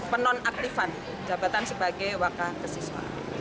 penonaktifan jabatan sebagai wakil ketua